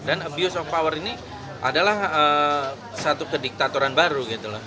dan abuse of power ini adalah satu kediktatoran baru